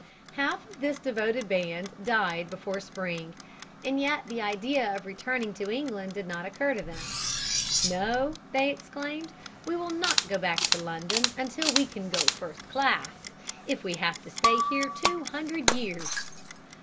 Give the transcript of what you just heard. Half of this devoted band died before spring, and yet the idea of returning to England did not occur to them. "No," they exclaimed, "we will not go back to London until we can go first class, if we have to stay here two hundred years."